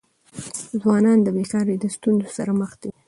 ځوانان د بېکاری د ستونزي سره مخ دي.